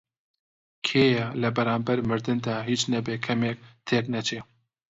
کێیە لە بەرانبەر مردندا هیچ نەبێ کەمێک تێک نەچێ؟